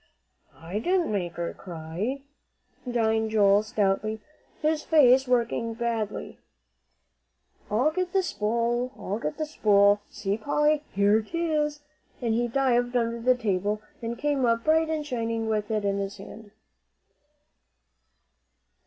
"I didn't make her cry," denied Joel, stoutly, his face working badly. "I'll get the spool I'll get the spool. See, Polly, here 'tis," and he dived under the table, and came up bright and shining with it in his hand.